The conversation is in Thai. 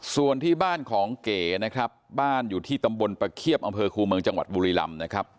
ส่วนที่บ้านของเก๋นะครับบ้านอยู่ที่ตำบลประเคียบอำเภอคูเมืองจังหวัดบุรีลำนะครับ